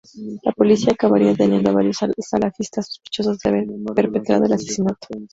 La policía acabaría deteniendo a varios salafistas sospechosos de haber perpetrado el asesinato.